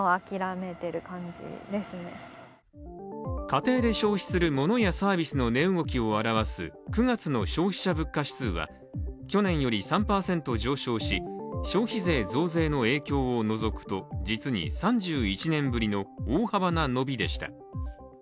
家庭で消費するモノやサービスの値動きを表す９月の消費者物価指数は去年より３％上昇し消費税増税の影響を除くと実に３１年ぶりの大幅な伸びでした。